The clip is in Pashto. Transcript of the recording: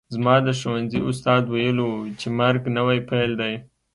زما د ښوونځي استاد ویلي وو چې مرګ نوی پیل دی